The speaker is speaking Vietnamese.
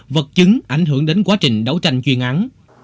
vật chứng ảnh hưởng đến quá trình đấu tranh chuyên án